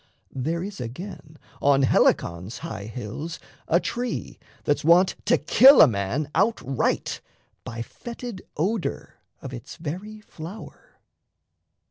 There is, again, on Helicon's high hills A tree that's wont to kill a man outright By fetid odour of its very flower.